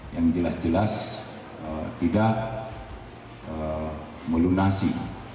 yang jelas jelas tidak melunasi